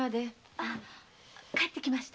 あ帰ってきました。